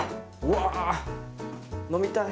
わ飲みたい！